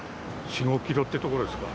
４、５キロってところですか。